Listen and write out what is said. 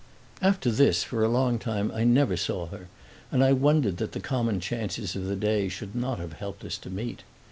After this, for a long time, I never saw her, and I wondered that the common chances of the day should not have helped us to meet.